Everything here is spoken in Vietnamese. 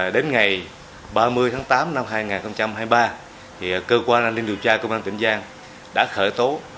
đến ngày ba mươi tháng tám năm hai nghìn hai mươi ba cơ quan an ninh điều tra công an tỉnh giang đã khởi tố